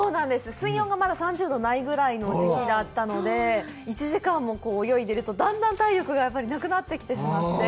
水温がまだ３０度ないぐらいの時期だったので、１時間も泳いでると、だんだん体力がなくなってきてしまって。